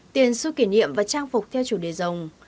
tiền su kỷ niệm và trang phục theo chủ đề rồng